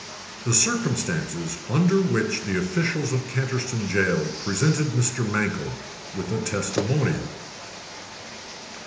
THE CIRCUMSTANCES UNDER WHICH THE OFFICIALS OF CANTERSTONE JAIL PRESENTED MR. MANKELL WITH A TESTIMONIAL.